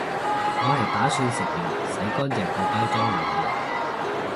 我係打算食完洗乾淨個包裝留念